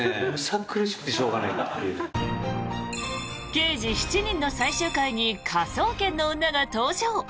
「刑事７人」の最終回に「科捜研の女」が登場！